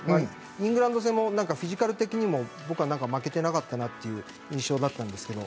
イングランド戦もフィジカル的にも負けてなかったなという印象だったんですけど。